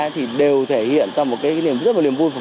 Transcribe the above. thì đều thể hiện ra một cái niềm vui